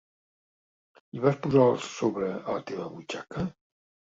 I vas posar el sobre a la teva butxaca?